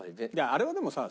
あれはでもさ